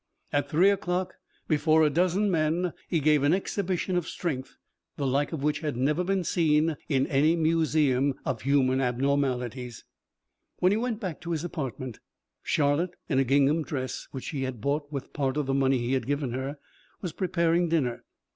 At three o'clock, before a dozen men, he gave an exhibition of strength the like of which had never been seen in any museum of human abnormalities. When he went back to his apartment, Charlotte, in a gingham dress which she had bought with part of the money he had given her, was preparing dinner.